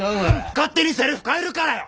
勝手にセリフ変えるからや！